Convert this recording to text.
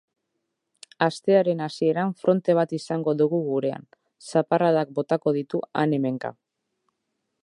Astearen hasieran fronte bat izango dugu gurean, zaparradak botako ditu han-hemenka.